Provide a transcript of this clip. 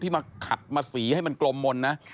มาขัดมาสีให้มันกลมมนต์นะ